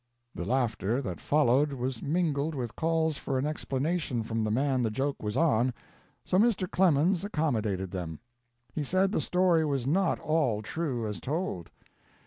The laughter that followed was mingled with calls for an explanation from the man the joke was on, so Mr. Clemens accommodated them. He said the story was not all true as told.